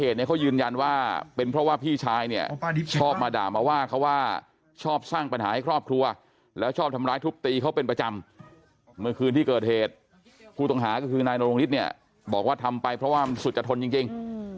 ถามมาว่าเขาว่าชอบสร้างปัญหาให้ครอบครัวแล้วชอบทำร้ายทุบตีเขาเป็นประจำเมื่อคืนที่เกิดเหตุคู่ตรงหาก็คือนายนาลงฤทธิ์เนี่ยบอกว่าทำไปเพราะว่ามันสุดจะทนจริงจริง